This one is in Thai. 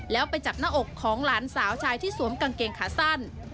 แล้วไปจับหน้าอกของหลานสาวชายที่สวมกางเกงขาสั้น